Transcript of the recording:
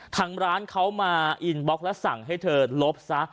ทางร้านเขามาอินบล็อกแล้วสั่งให้เธอลบซะ